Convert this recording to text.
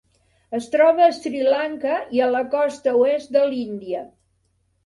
Es troba a Sri Lanka i a la costa oest de l'Índia.